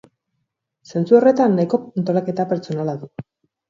Zentzu horretan nahiko antolaketa pertsonala du.